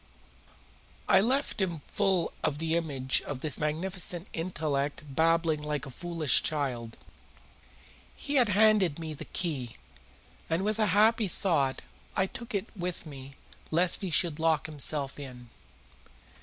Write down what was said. I left him full of the image of this magnificent intellect babbling like a foolish child. He had handed me the key, and with a happy thought I took it with me lest he should lock himself in.